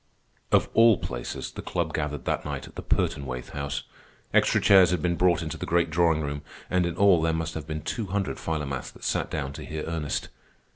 Of all places, the Club gathered that night at the Pertonwaithe house. Extra chairs had been brought into the great drawing room, and in all there must have been two hundred Philomaths that sat down to hear Ernest.